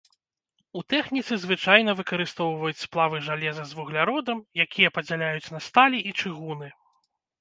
У тэхніцы звычайна выкарыстоўваюць сплавы жалеза з вугляродам, якія падзяляюць на сталі і чыгуны.